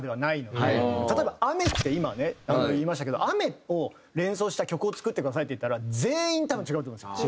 例えば「雨」って今ね言いましたけど「雨を連想した曲を作ってください」って言ったら全員多分違うと思いますよ。